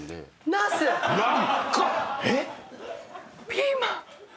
ピーマン！